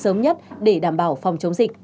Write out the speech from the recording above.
sớm nhất để đảm bảo phòng chống dịch